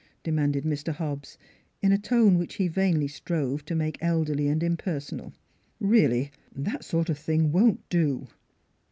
demanded Mr. Hobbs, in a tone which he vainly strove to make elderly and impersonal. " Really, that sort of thing won't do."